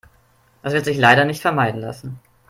Das wird sich leider nicht vermeiden lassen.